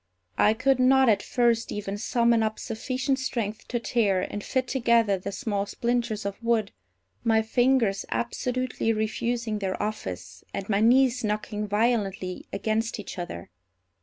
I could not, at first, even summon up sufficient strength to tear and fit together the small splinters of wood, my fingers absolutely refusing their office, and my knees knocking violently against each other.